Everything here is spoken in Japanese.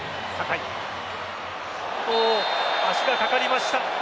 足がかかりました。